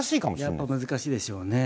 やっぱり難しいでしょうね。